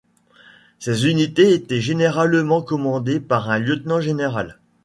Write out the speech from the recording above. Ces unités étaient généralement commandées par un lieutenant-général.